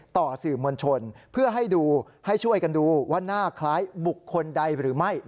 ต่อสื่อมวลชนเพื่อให้ดูให้ช่วยกันดูว่าหน้าคล้ายบุคคลใดหรือไม่